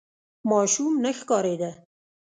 ماشوم نه ښکارېده.